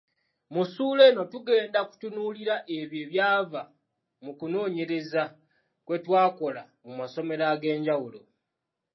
Mu ssuula eno tugenda kutunuulira ebyo ebyava mu kunoonyereza kwe twakola mu masomero ag'enjawulo.